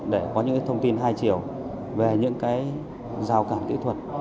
để có những thông tin hai chiều về những cái rào cản kỹ thuật